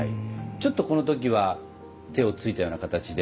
ちょっとこの時は手をついたような形で。